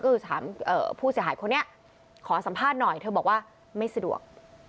ก็คือถามผู้เสียหายคนนี้ขอสัมภาษณ์หน่อยเธอบอกว่าไม่สะดวก